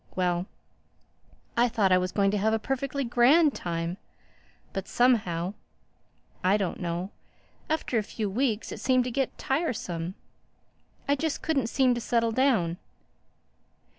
Well, I thought I was going to have a perfectly grand time. But somehow—I don't know—after a few weeks it seemed to get tiresome. I just couldn't seem to settle down.